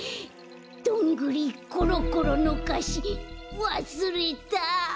「どんぐりころころ」のかしわすれた。